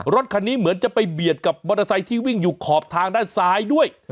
รถคันนี้เหมือนจะไปเบียดกับมอเตอร์ไซค์ที่วิ่งอยู่ขอบทางด้านซ้ายด้วย